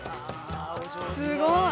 ◆すごい。